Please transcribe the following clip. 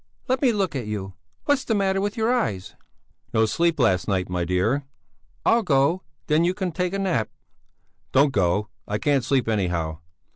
"Let me look at you! What's the matter with your eyes?" "No sleep last night, my dear!" "I'll go, then you can take a nap." "Don't go! I can't sleep anyhow!"